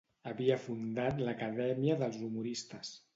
Havia fundat l'Acadèmia dels humoristes.